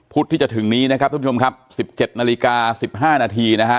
ที่จะถึงนี้นะครับทุกผู้ชมครับ๑๗นาฬิกา๑๕นาทีนะฮะ